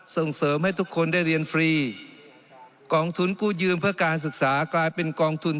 ส่งเสริมให้ทุกคนได้เรียนฟรีกองทุนกู้ยืมเพื่อการศึกษากลายเป็นกองทุน